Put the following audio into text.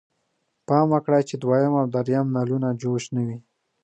پام وکړئ چې دویم او دریم نلونه جوش نه وي.